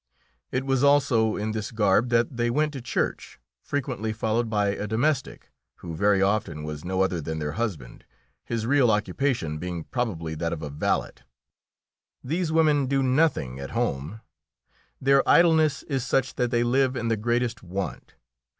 It was also in this garb that they went to church, frequently followed by a domestic, who very often was no other than their husband, his real occupation being probably that of a valet. These women do nothing at home; their idleness is such that they live in the greatest want.